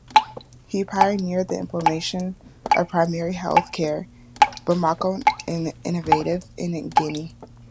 He pioneered the implementation of Primary Health Care (Bamako Initiative) in Guinea.